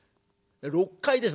６階です